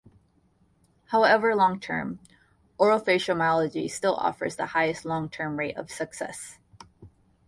However, long term, orofacial myology still offers the highest long term rate of success.